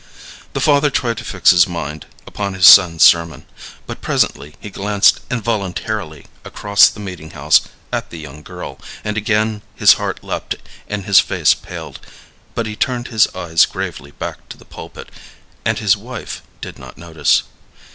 The father tried to fix his mind upon his son's sermon, but presently he glanced involuntarily across the meeting house at the young girl, and again his heart leaped and his face paled; but he turned his eyes gravely back to the pulpit, and his wife did not notice.